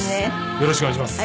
よろしくお願いします。